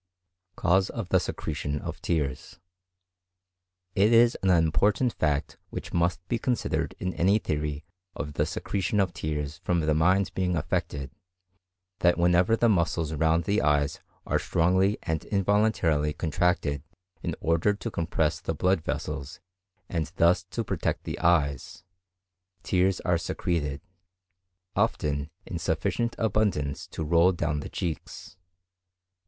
Cause of the secretion of tears.—It is an important fact which must be considered in any theory of the secretion of tears from the mind being affected, that whenever the muscles round the eyes are strongly and involuntarily contracted in order to compress the blood vessels and thus to protect the eyes, tears are secreted, often in sufficient abundance to roll down the cheeks.